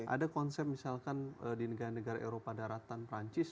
ada konsep misalkan di negara negara eropa daratan perancis